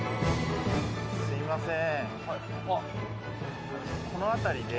すいません。